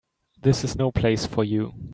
This is no place for you.